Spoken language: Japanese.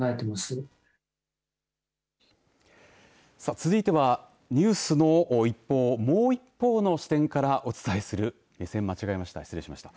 続いてはニュースの一報をもう一方の視点からお伝えするつい間違えました、すみません。